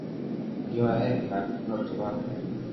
گيو ھي ڪيتي موٽي ٽات ھي